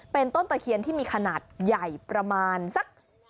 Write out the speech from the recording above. เป็นต้นตะเคียนที่มีขนาดใหญ่ประมาณสัก